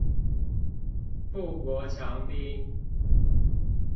富國強兵